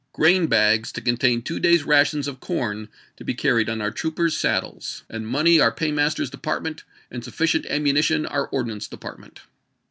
Grain Ff ^ n' ' 1862, ami bags, to contain two days' rations of corn, to be ^p^"™ carried on our troopers' saddles, and money our ^Vr.*'^' paymaster's department, and sufficient ammunition jj.^^iil^k our ordnance department."